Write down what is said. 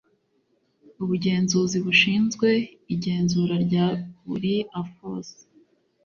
ubugenzuzi bushinzwe igenzura rya buri afos